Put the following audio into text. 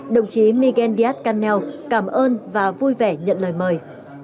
đồng chí nandiyat khanel cảm ơn và vui vẻ nhận lời mời